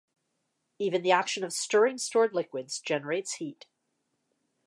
Even the action of stirring stored liquids generates heat.